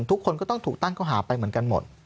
ทุกคนก็ต้องถูกตั้งข้อหาไปเหมือนกันหมด